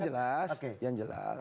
tapi yang jelas